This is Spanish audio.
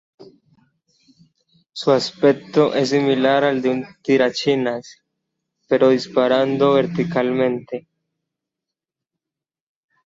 Su aspecto es similar al de un tirachinas, pero disparando verticalmente.